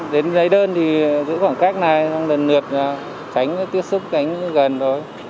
đến lấy đơn thì giữ khoảng khách này lần lượt tránh tiếp xúc gần thôi